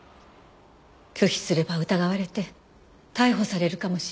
拒否すれば疑われて逮捕されるかもしれない。